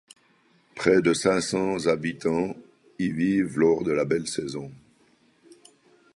Près de cinq cents habitants y vivent lors de la belle saison.